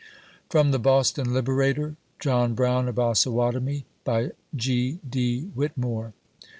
[From the Boston Liberator.] JOHN BROWN OP OSAWATOMIE. BY G. ». WHITMORE.